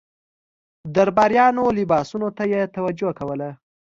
درباریانو لباسونو ته یې توجه کوله.